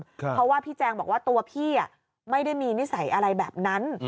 เพราะว่าพี่แจงบอกว่าตัวพี่ไม่ได้มีนิสัยอะไรแบบนั้น